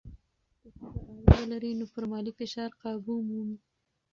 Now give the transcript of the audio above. که ښځه عاید ولري، نو پر مالي فشار قابو مومي.